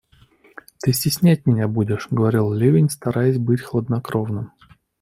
Ты стеснять меня будешь, — говорил Левин, стараясь быть хладнокровным.